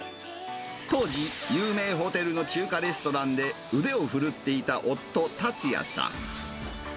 当時、有名ホテルの中華レストランで腕を振るっていた夫、達也さん。